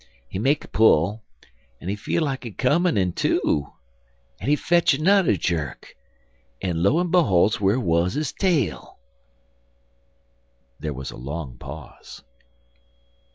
He make a pull, en he feel like he comin' in two, en he fetch nudder jerk, en lo en beholes, whar wuz his tail?" There was a long pause.